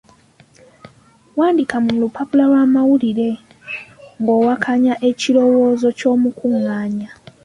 Wandiika mu lupapula lw’amawulire ng’owakanya ekirowoozo ky’omukunganya.